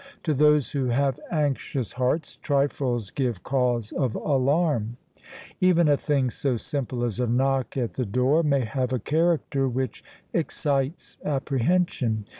To those who have anxious hearts, trifles give cause of alarm. Even a thing so simple as a knock at the door may have a character which excites apprehension.